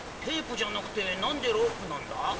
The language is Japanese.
テープじゃなくてなんでロープなんだ？